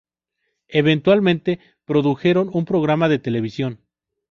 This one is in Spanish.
Eventualmente produjeron un programa de televisión.